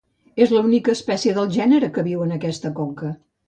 És l'única espècie del gènere que viu en aquesta conca.